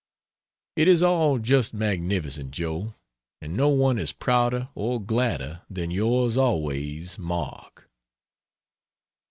It is all just magnificent, Joe! And no one is prouder or gladder than Yours always MARK.